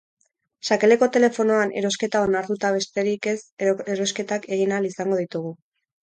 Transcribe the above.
Sakelako telefonoan erosketa onartuta besterik ez erosketak egin ahal izango ditugu.